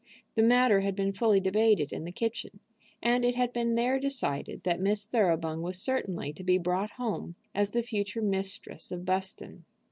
The matter had been fully debated in the kitchen, and it had been there decided that Miss Thoroughbung was certainly to be brought home as the future mistress of Buston.